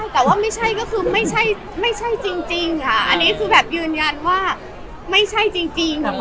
แต่ว่าไม่ใช่ก็คือไม่ใช่จริงค่ะอันนี้คือแบบยืนยันว่าไม่ใช่จริง